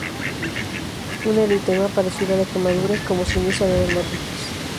Un eritema parecido a la quemadura es como se inicia la dermatitis.